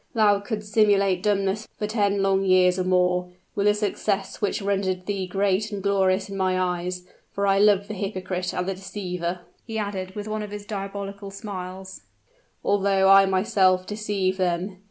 Thou couldst simulate dumbness for ten long years or more, with a success which rendered thee great and glorious in my eyes for I love the hypocrite and the deceiver," he added with one of his diabolical smiles; "although I myself deceive them!